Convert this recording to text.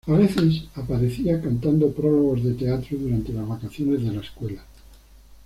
A veces aparecía cantando prólogos de teatro durante las vacaciones de la escuela.